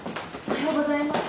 おはようございます。